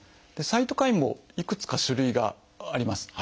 サイトカインもいくつか種類があります。